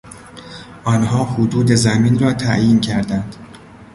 آنها حدود زمین را تعیین کردند.